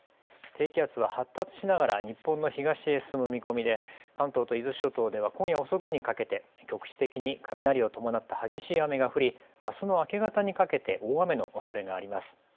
低気圧は発達しながら日本の東へ進む見込みで関東と伊豆諸島では今夜遅くにかけて局地的に雷を伴った激しい雨が降りあすの明け方にかけて大雨のおそれがあります。